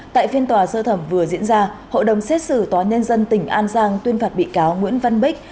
tại phiên tòa sơ thẩm vừa diễn ra hội đồng xét xử tòa nhân dân tỉnh an giang tuyên phạt bị cáo nguyễn văn bích